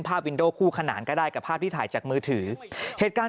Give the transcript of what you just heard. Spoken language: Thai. วินโดคู่ขนานก็ได้กับภาพที่ถ่ายจากมือถือเหตุการณ์